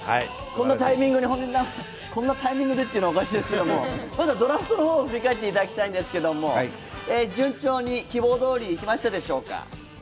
こんなタイミングでっていうのもおかしいんですけど、まずはドラフトの方を振り返っていただきたいんですけど、順調に希望どおりいきましたでしょうか？